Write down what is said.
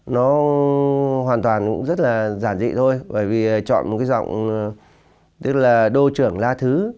nó hoàn toàn cũng rất là giản dị thôi bởi vì chọn một cái giọng tức là đô trưởng la thứ